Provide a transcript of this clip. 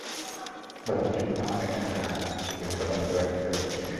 গতকালই সূচনা নামে একজন নারী বাংলাদেশের ইতিহাসে প্রথম মিডওয়াইফ হিসেবে রেজিস্ট্রেশন নিয়েছেন।